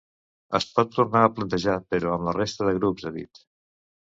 Es pot tornar a plantejar però amb la resta de grups, ha dit.